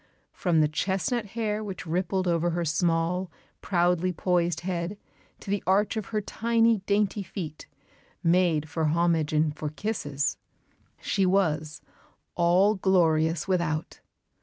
From the chestnut hair which rippled over her small, proudly poised head to the arch of her tiny, dainty feet, "made for homage and for kisses," she was, "all glorious without."